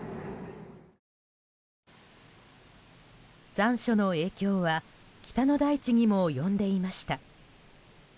残暑の影響は北の大地にも及んでいました。